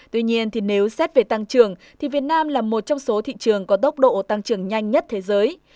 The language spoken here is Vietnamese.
tuy nhiên nếu xét về tăng trưởng thì việt nam là một trong số thị trường có tốc độ tăng trưởng nhanh nhất thế giới